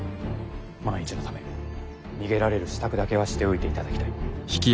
万一のため逃げられる支度だけはしておいていただきたい。